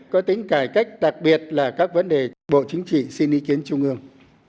có tính cải cách đặc biệt là các vấn đề bộ chính trị xin ý kiến trung ương